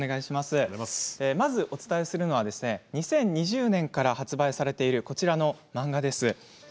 まずお伝えするのは２０２０年から発売されているこちらの漫画です。